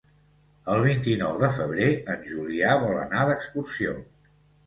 El vint-i-nou de febrer en Julià vol anar d'excursió.